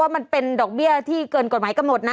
มันเป็นดอกเบี้ยที่เกินกฎหมายกำหนดนะ